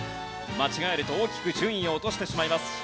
間違えると大きく順位を落としてしまいます。